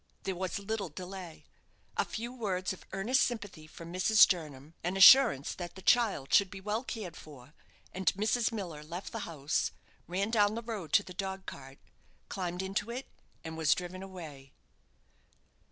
There was little delay. A few words of earnest sympathy from Mrs. Jernam, an assurance that the child should be well cared for, and Mrs. Miller left the house, ran down the road to the dog cart, climbed into it, and was driven away.